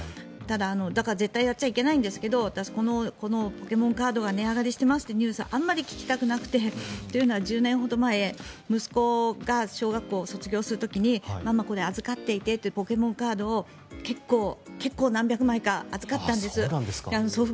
だから絶対にやっちゃいけないんですけど私、このポケモンカードが値上がりしてますというニュースをあまり聞きたくなくてというのは１０年ほど前息子が小学校卒業する時にママ預かっていてといってポケモンカードを結構何百枚か預かったんです。